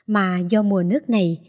mà do mùa nước này